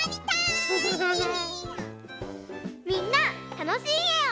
みんなたのしいえを。